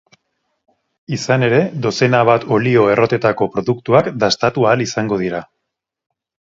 Izan ere, dozena bat olio-errotetako produktuak dastatu ahal izango dira.